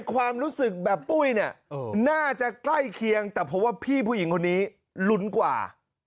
ความรู้สึกแบบปุ้ยเนี่ยน่าจะใกล้เคียงแต่เพราะว่าพี่ผู้หญิงคนนี้ลุ้นกว่า